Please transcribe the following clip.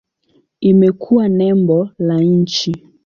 Imekuwa nembo la nchi.